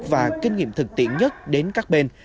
và kinh nghiệm thực tiễn nhất đến các bên